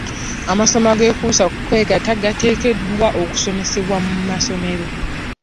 Amasomo ag'ekuusa ku kwegatta gateekeddwa okusomesebwa mu masomero.